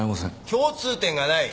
共通点がない。